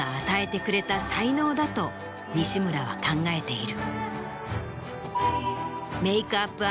だと西村は考えている。